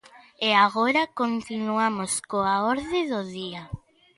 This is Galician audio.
E agora continuamos coa orde do día.